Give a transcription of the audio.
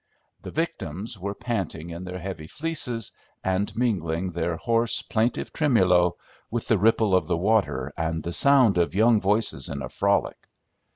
The victims were panting in their heavy fleeces, and mingling their hoarse, plaintive tremolo with the ripple of the water and the sound of young voices in a frolic.